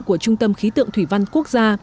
của trung tâm khí tượng thủy văn quốc gia